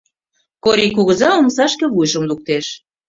Корий кугыза омсашке вуйжым луктеш.